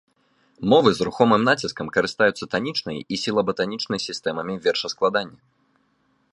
Мовы з рухомым націскам карыстаюцца танічнай і сілаба-танічнай сістэмамі вершаскладання.